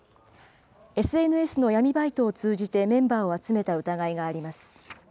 ＳＮＳの闇バイトを通じてメンバーを集めた疑いがあります。